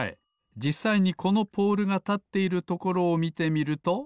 じっさいにこのポールがたっているところをみてみると。